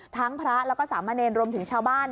พระแล้วก็สามเณรรวมถึงชาวบ้าน